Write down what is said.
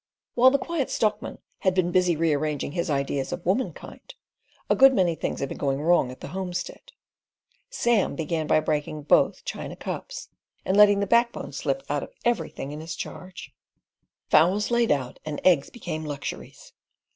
While the Quiet Stockman had been busy rearranging his ideas of womankind, a good many things had been going wrong at the homestead. Sam began by breaking both china cups, and letting the backbone slip out of everything in his charge. Fowls laid out and eggs became luxuries.